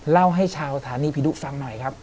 เล่าให้ชาวสถานีผีดุฟังหน่อยครับ